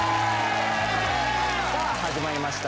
さあ始まりました